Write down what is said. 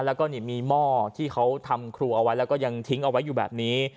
แล้วก็มีหม้อที่เขาทำครูเอาไว้แล้วก็ยังทิ้งเอาไว้อยู่แบบนี้